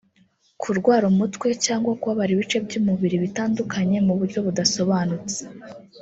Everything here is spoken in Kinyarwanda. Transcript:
kurwara umutwe cyangwa kubabara ibice by’umubiri bitandukanye mu buryo budasobanutse